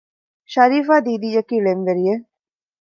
ޝަރީފާ ދީދީ އަކީ ޅެންވެރިއެއް